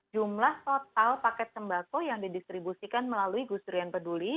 jumlah total paket sembako yang didistribusikan melalui gus durian peduli